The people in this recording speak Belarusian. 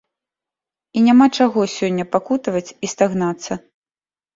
І няма чаго сёння пакутаваць і стагнаць.